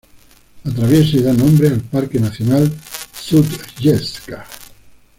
Atraviesa y da nombre al Parque nacional Sutjeska.